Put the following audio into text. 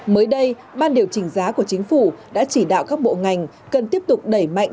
mới đây ban điều chỉnh giá của chính phủ đã chỉ đạo các bộ ngành cần tiếp tục đẩy mạnh